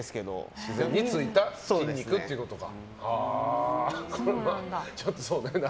自然についた筋肉ということか。